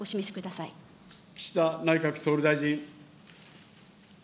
岸田内閣総理大臣。